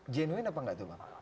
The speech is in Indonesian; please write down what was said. jenuin apa nggak tuh pak